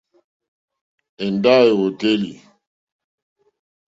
Èndáwò èwòtélì.